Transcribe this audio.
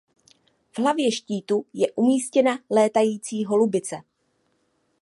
V hlavě štítu je umístěná letící holubice.